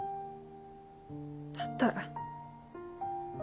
だったら。